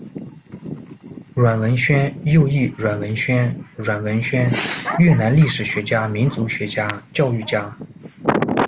阮文暄，又译阮文喧、阮文萱，越南历史学家、民族学家、教育家。